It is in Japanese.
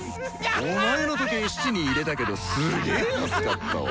お前の時計質に入れたけどすげー安かったわ。